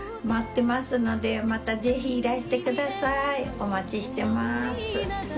お待ちしてます。